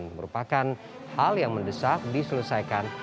merupakan hal yang mendesak diselesaikan